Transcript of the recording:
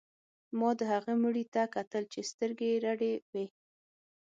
ما د هغه مړي ته کتل چې سترګې یې رډې وې